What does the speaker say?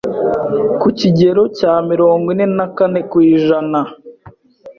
ku kigero cya mirongo ine na kane kw’ijana